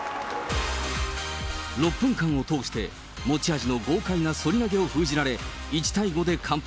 ６分間を通して、持ち味の豪快なそり投げを封じられ、１対５で完敗。